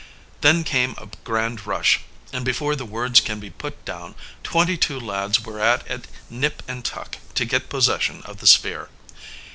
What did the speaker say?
Then came a grand rush, and before the words can be put down twenty two lads were at it nip and tuck to get possession of the sphere.